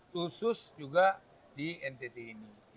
khusus juga di ntt ini